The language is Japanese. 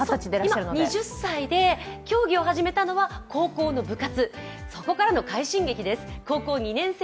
今２０歳で、競技を始めたのは高校の部活。